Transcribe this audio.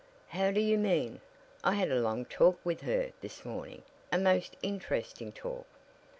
How do you mean? I had a long talk with her this morning a most interesting talk."